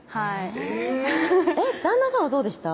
えぇ旦那さんはどうでした？